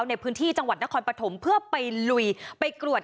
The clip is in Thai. ในพื้นที่จังหวัดนครปฐมเพื่อไปลุยไปตรวจ